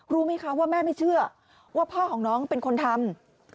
รู้ไหมคะว่าแม่ไม่เชื่อว่าพ่อของน้องเป็นคนทำ